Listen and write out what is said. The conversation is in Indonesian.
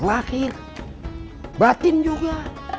lahir batin juga